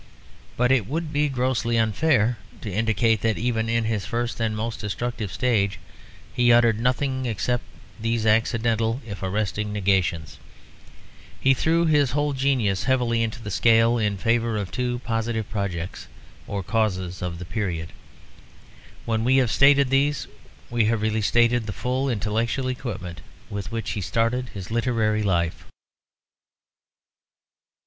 But it would be grossly unfair to indicate that even in his first and most destructive stage he uttered nothing except these accidental, if arresting, negations. He threw his whole genius heavily into the scale in favour of two positive projects or causes of the period. When we have stated these we have really stated the full intellectual equipment with which he started his literary life.